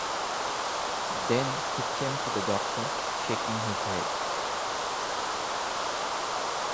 Then he came to the Doctor, shaking his head.